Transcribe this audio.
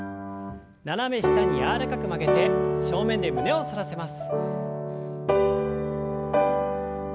斜め下に柔らかく曲げて正面で胸を反らせます。